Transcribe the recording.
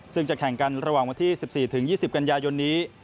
ซึ่งจะแข่งกันระหว่างวันที่๑๔๒๐กันยายนนี้